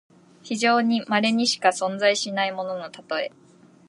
非常にまれにしか存在しないもののたとえ。